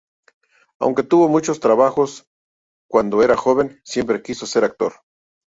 Aunque tuvo muchos trabajos cuando era joven, siempre quiso ser actor.